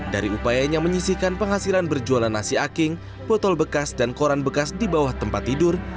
dari upayanya menyisihkan penghasilan berjualan nasi aking botol bekas dan koran bekas di bawah tempat tidur